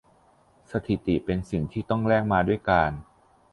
สถิติเป็นสิ่งที่ต้องแลกมาด้วยการ